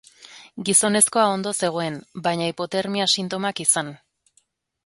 Gizonezkoa ondo zegoen, baina hipotermia sintomak izan.